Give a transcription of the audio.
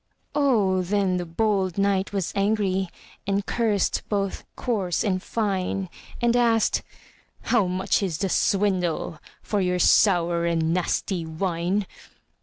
Oh, then the bold knight was angry, And cursed both coarse and fine; And asked, "How much is the swindle For your sour and nasty wine?"